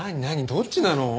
どっちなの？